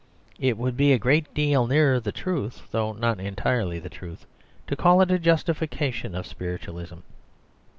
It would be a great deal nearer the truth, though not entirely the truth, to call it a justification of spiritualism.